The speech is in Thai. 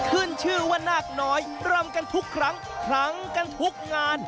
ขึ้นชื่อว่านาคน้อยรำกันทุกครั้งคลังกันทุกงาน